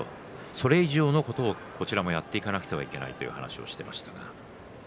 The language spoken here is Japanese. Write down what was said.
それ以上のことを、こちらもやっていかなければいけないということを話しています。